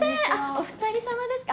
お二人様ですか？